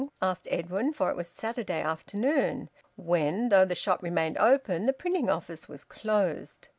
asked Edwin, for it was Saturday afternoon, when, though the shop remained open, the printing office was closed.